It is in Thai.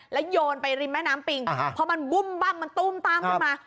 แล้วโยนไปริมแม่น้ำปิงพอมันบุ้มบั้มมันตุ้มตั้มขึ้นมา